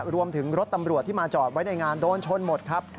รถตำรวจที่มาจอดไว้ในงานโดนชนหมดครับ